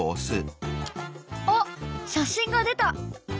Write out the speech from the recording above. あっ写真が出た！